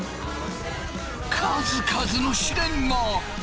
数々の試練が！